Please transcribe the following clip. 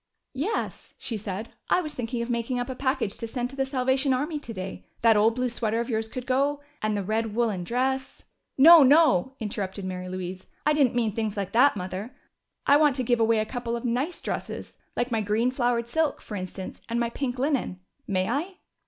"Yes," she said. "I was thinking of making up a package to send to the Salvation Army today. That old blue sweater of yours could go, and the red woolen dress " "No! No!" interrupted Mary Louise. "I didn't mean things like that, Mother. I want to give away a couple of nice dresses. Like my green flowered silk, for instance, and my pink linen. May I?"